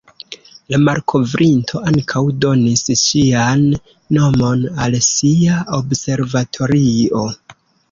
La malkovrinto ankaŭ donis ŝian nomon al sia observatorio.